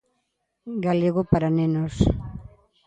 Galego para nenos.